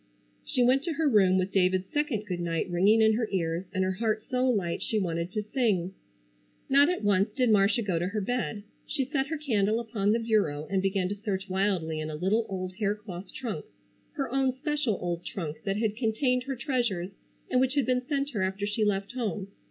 She went to her room with David's second good night ringing in her ears and her heart so light she wanted to sing. Not at once did Marcia go to her bed. She set her candle upon the bureau and began to search wildly in a little old hair cloth trunk, her own special old trunk that had contained her treasures and which had been sent her after she left home.